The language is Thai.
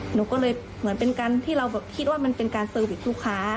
หนูก็เลยเหมือนเป็นการที่เราคิดว่ามันเป็นการเซอร์วิสลูกค้า